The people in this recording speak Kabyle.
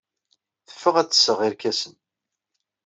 Teffeɣ ad d-tseɣ irkasen.